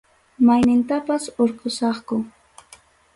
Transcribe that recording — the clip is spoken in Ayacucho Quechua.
Maynintapas urqusaqun.